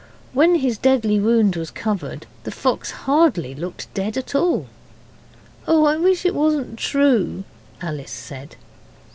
When his deadly wound was covered the fox hardly looked dead at all. 'Oh, I wish it wasn't true!' Alice said.